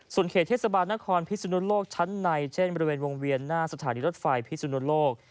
ส่วนเขตเทศบาลนครพิศนุโลกชั้นในเช่นบริเวณวงเวียนหน้าสถานีรถไฟพิสุนโลก